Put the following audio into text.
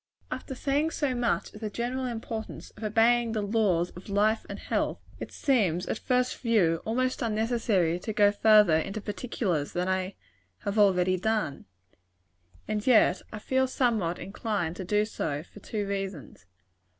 After saying so much of the general importance of obeying the laws of life and health, it seems, at first view, almost unnecessary to go farther into particulars than I have already done And yet I feel somewhat inclined to do so for two reasons.